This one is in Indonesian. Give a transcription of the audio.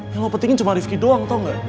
yang mau pentingin cuma rifki doang tau gak